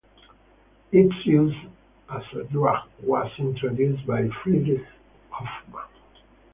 Its use as a drug was introduced by Friedrich Hoffmann.